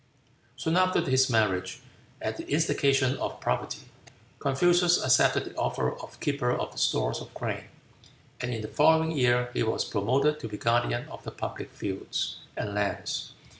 Soon after his marriage, at the instigation of poverty, Confucius accepted the office of keeper of the stores of grain, and in the following year he was promoted to be guardian of the public fields and lands.